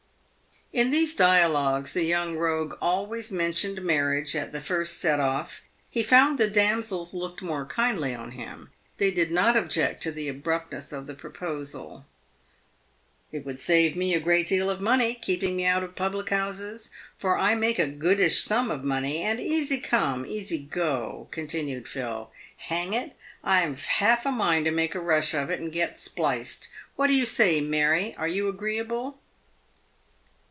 In these dialogues the young rogue always mentioned marriage at the first set off. He found the damsels looked more kindly on him. They did not object to the abruptness of the proposal. " It would save me a deal of money, keeping me out of public houses, for I make a goodish sum of money, and easy come, easy go," continued Phil. " Hang it ! I've half a mind to make a rush of it, and get spliced. "What do you say, Mary ? Are you agreeable